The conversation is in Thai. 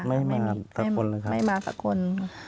ไม่มาสักคน